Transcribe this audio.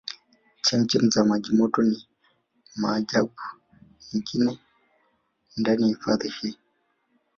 Chemchem za maji moto ni maajabu mengine ndani ya hifadhi hii